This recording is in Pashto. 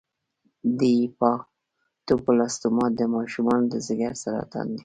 د هیپاټوبلاسټوما د ماشومانو د ځګر سرطان دی.